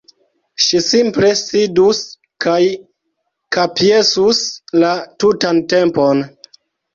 Ŝi simple sidus kaj kapjesus la tutan tempon.